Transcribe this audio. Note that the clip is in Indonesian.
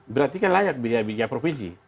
berarti kan layak biaya provinsi